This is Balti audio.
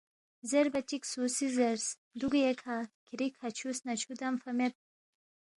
زیربا چِک سُو سی زیرس، دُوگی ایکھہ، کِھری کھاچھُو سناچھُو دمفا مید